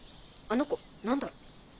あの子何だろ。